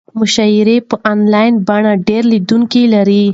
مشاعرې په انلاین بڼه ډېر لیدونکي لري.